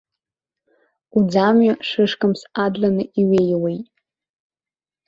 Уӡамҩа шышкамск адланы иҩеиуеит!